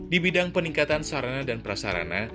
di bidang peningkatan sarana dan prasarana